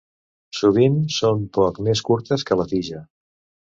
Sovint són poc més curtes que la tija.